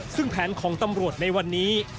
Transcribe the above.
ซึ่งแผนของตำรวจในวันนี้